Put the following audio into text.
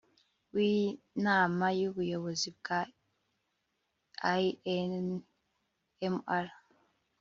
w Inama y Ubuyobozi ya INMR